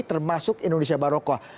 termasuk indonesia barokah